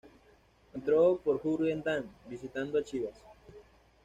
Entró por Jürgen Damm, visitando a Chivas.